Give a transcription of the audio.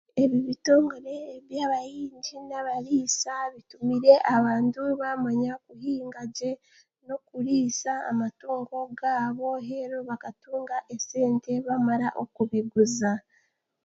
Ebi bitongore by'abahingi n'abariisa bitumire abantu baamanya kuhinga gye n'okuriisa amatungo gaabo, reero bakatunga esente baamara okubiguza.